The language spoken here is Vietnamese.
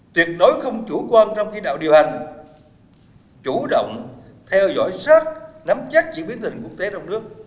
tuyệt đối không chủ quan trong chỉ đạo điều hành chủ động theo dõi sát nắm chắc diễn biến tình hình quốc tế trong nước